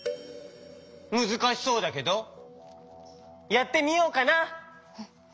むずかしそうだけどやってみようかな。